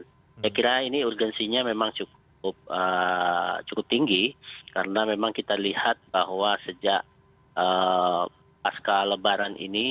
saya kira ini urgensinya memang cukup tinggi karena memang kita lihat bahwa sejak pasca lebaran ini